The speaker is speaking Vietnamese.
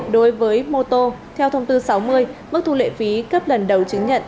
đối với mô tô theo thông tư sáu mươi mức thu lệ phí cấp lần đầu chứng nhận